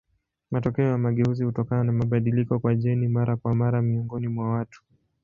Matokeo ya mageuzi hutokana na mabadiliko kwa jeni mara kwa mara miongoni mwa watu.